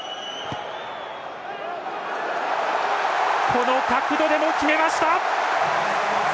この角度でも決めました！